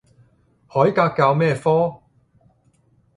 海格教咩科？